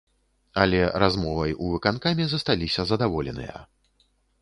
Але размовай у выканкаме засталіся задаволеныя.